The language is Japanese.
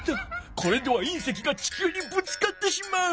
これでは隕石が地球にぶつかってしまう！